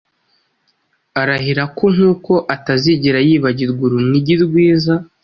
arahira ko nkuko atazigera yibagirwa urunigi rwiza